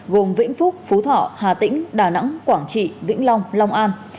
gồm vĩnh phúc phú thọ hà tĩnh đà nẵng quảng trị vĩnh long long an